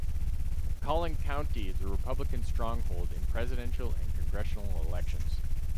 Collin County is a Republican stronghold in presidential and congressional elections.